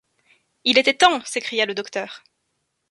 Il était temps », s’écria le docteur.